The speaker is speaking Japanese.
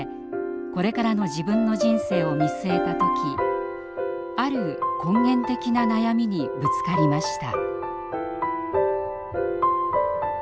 これからの自分の人生を見据えた時ある根源的な悩みにぶつかりました。